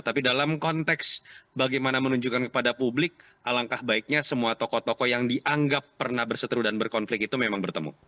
tapi dalam konteks bagaimana menunjukkan kepada publik alangkah baiknya semua tokoh tokoh yang dianggap pernah berseteru dan berkonflik itu memang bertemu